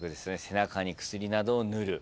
背中に薬などを塗る。